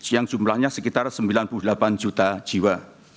yang jumlahnya sekitar sembilan puluh delapan juta jiwa